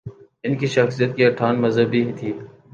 ان کی شخصیت کی اٹھان مذہبی تھی۔